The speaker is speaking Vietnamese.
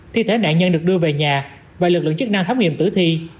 thi thể nạn nhân được đưa về nhà và lực lượng chức năng khám nghiệm tử thi